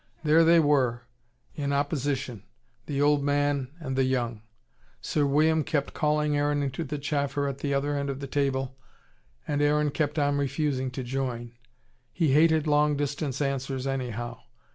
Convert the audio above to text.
There they were, in opposition, the old man and the young. Sir William kept calling Aaron into the chaffer at the other end of the table: and Aaron kept on refusing to join. He hated long distance answers, anyhow.